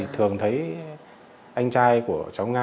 thường thấy anh trai của cháu nga